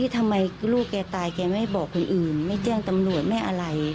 ทำไมลูกแกตายแกไม่บอกคนอื่นไม่แจ้งตำรวจไม่อะไร